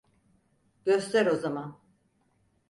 Göster o zaman.